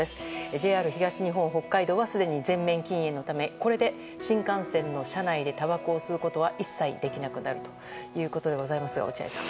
ＪＲ東日本、北海道はすでに全面禁煙のためこれで新幹線の車内でたばこを吸うことは一切できなくなるということですが落合さん。